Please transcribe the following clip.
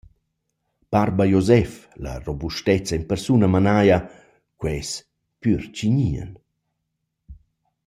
Barba Josef, la robustezza in persuna, manaja: Quels pür chi gnian!